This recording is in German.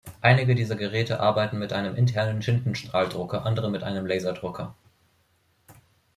Einige dieser Geräte arbeiten mit einem internen Tintenstrahldrucker, andere mit einem Laserdrucker.